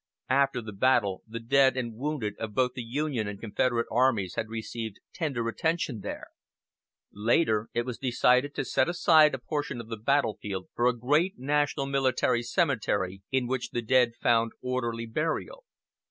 After the battle the dead and wounded of both the Union and Confederate armies had received tender attention there. Later it was decided to set aside a portion of the battlefield for a great national military cemetery in which the dead found orderly burial.